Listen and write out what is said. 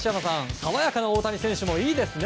爽やかな大谷選手もいいですね。